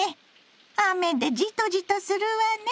雨でじとじとするわね。